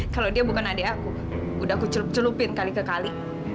kalau dia bukan adik aku udah aku celup celupin kali ke kali